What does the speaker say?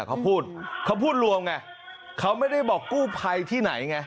เขาพูดเขาพูดรวมไงเขาไม่ได้บอกกู้ภัยที่ไหนไง